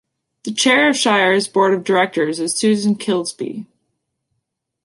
The Chair of Shire's Board of Directors is Susan Kilsby.